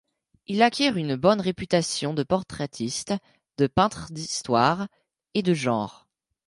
Il acquiert une bonne réputation de portraitiste, de peintres d'Histoire et de genre.